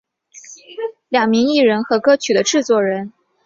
两名艺人和歌曲的制作人共同创作了本歌曲。